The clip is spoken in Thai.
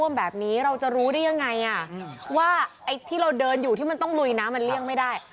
ว่าไอ้ที่เราเดินอยู่ที่มันต้องลุยนะมันเลี่ยงไม่ได้